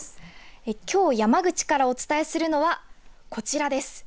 きょう山口からお伝えするのはこちらです。